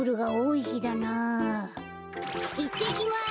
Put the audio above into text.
いってきます。